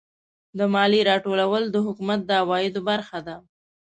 د مالیې راټولول د حکومت د عوایدو برخه ده.